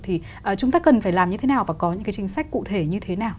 thì chúng ta cần phải làm như thế nào và có những cái chính sách cụ thể như thế nào